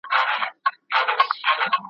تکه سپینه لکه بته جګه غاړه !.